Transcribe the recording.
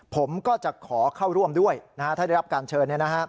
ผมก็จะขอเข้าร่วมด้วยถ้าได้รับการเชิญ